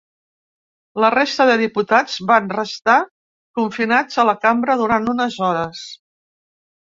La resta de diputats van restar confinats a la cambra durant unes hores.